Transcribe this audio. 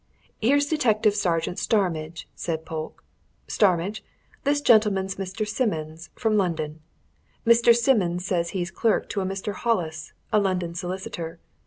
"Here's Detective Sergeant Starmidge," said Polke. "Starmidge, this gentleman's Mr. Simmons, from London. Mr. Simmons says he's clerk to a Mr. Hollis, a London solicitor.